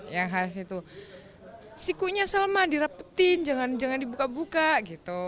yang khas itu sikunya selma direpetin jangan dibuka buka gitu